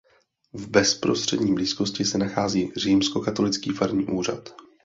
V bezprostřední blízkosti se nachází římskokatolický farní úřad.